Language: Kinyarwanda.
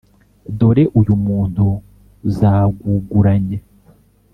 Dore uyu muntu zaguguranye